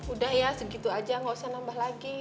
udah ya segitu aja nggak usah nambah lagi